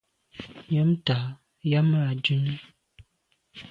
Nyam tà yàme à dum.